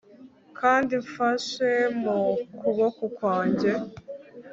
Kandi mfashe mu kuboko kwanjye